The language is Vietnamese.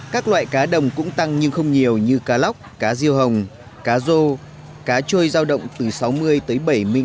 các loại cá đồng cũng tăng nhưng không nhiều như cá lóc cá riêu hồng cá rô cá trôi giao động từ sáu mươi đến bảy mươi đồng một kg